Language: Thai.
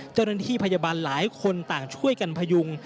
เจ้าหน้าที่พยาบาลหลายคนต่างช่วยกันพยุง